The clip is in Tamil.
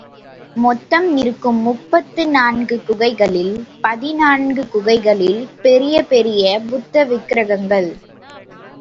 மொத்தம் இருக்கும் முப்பத்து நான்கு குகைகளில் பதினான்கு குகைகளில் பெரிய பெரிய புத்த விக்கிரகங்கள்.